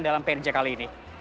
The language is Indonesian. dalam prj kali ini